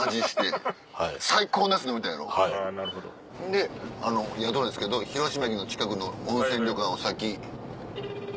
で宿なんですけど広島駅の近くの温泉旅館をさっき。